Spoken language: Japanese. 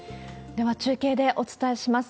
では続けて中継でお伝えします。